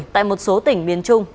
tại một số tỉnh miền trung quốc